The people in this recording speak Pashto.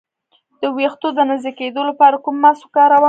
د ویښتو د نازکیدو لپاره کوم ماسک وکاروم؟